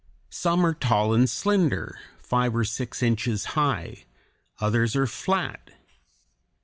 Some are tall and slender, five or six inches high; others are flat.